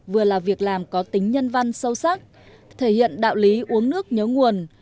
vừa là việc làm có tính nhân văn sâu sắc thể hiện đạo lý uống nước nhớ nguồn